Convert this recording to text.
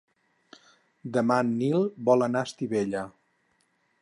Demà en Nil vol anar a Estivella.